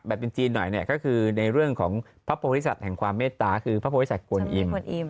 แบบจีนหน่อยก็คือในเรื่องของพระพุทธศัตริย์แห่งความเมตตาคือพระพุทธศัตริย์กวนอิม